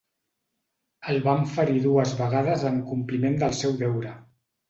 El van ferir dues vegades en compliment del seu deure.